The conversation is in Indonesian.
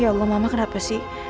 ya allah mama kenapa sih